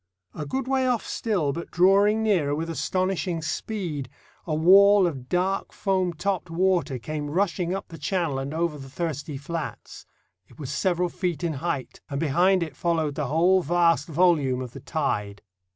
A good way off still, but drawing nearer with astonishing speed, a wall of dark foam topped water came rushing up the channel and over the thirsty flats. It was several feet in height, and behind it followed the whole vast volume of the tide.